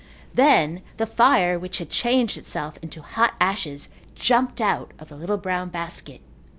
Then the fire which had changed itself into hot ashes jumped out of the little brown basket.